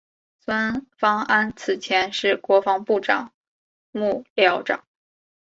孙芳安此前是国防部长幕僚长。